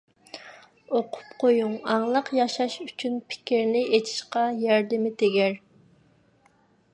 ئوقۇپ قويۇڭ، ئاڭلىق ياشاش ئۈچۈن پىكىرنى ئېچىشقا ياردىمى تېگەر.